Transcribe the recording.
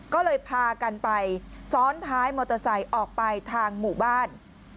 ก็เลยพากันไปซ้อนท้ายมอเตอร์ไซค์ออกไปทางหมู่บ้าน